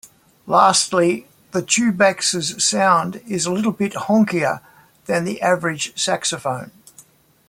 Lastly, the tubax's sound is a little bit "honkier" than the average saxophone.